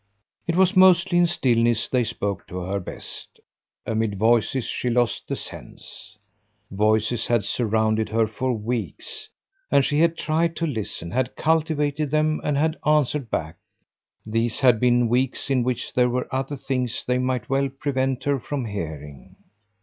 It was mostly in stillness they spoke to her best; amid voices she lost the sense. Voices had surrounded her for weeks, and she had tried to listen, had cultivated them and had answered back; these had been weeks in which there were other things they might well prevent her from hearing.